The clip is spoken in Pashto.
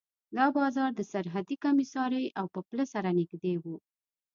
دا بازار د سرحدي کمېسارۍ او پله سره نږدې و.